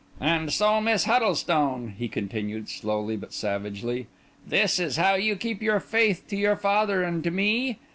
"And so, Miss Huddlestone," he continued slowly but savagely, "this is how you keep your faith to your father and to me?